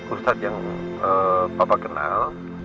ustad yang papa kenal